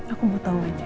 aku mau tahu aja